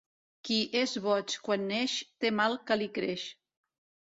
Qui és boig quan neix té mal que li creix.